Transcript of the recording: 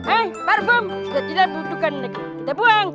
iya gue buang buang